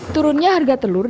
turunnya harga telur